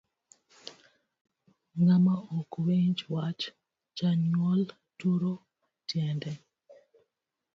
Ng'ama okowinjo wach janyuol turo tiende.